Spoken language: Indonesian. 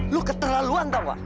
lu keterlaluan tau gak